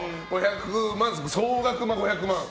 総額５００万。